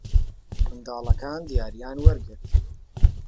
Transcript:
منداڵەکان دیارییان وەرگرت.